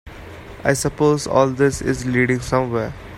I suppose all this is leading somewhere?